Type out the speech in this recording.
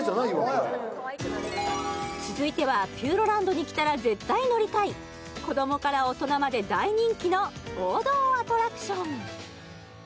これ続いてはピューロランドに来たら絶対乗りたい子供から大人まで大人気の王道アトラクション